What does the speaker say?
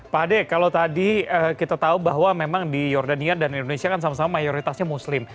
pak ade kalau tadi kita tahu bahwa memang di jordania dan indonesia kan sama sama mayoritasnya muslim